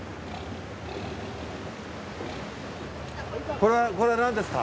これは何ですか？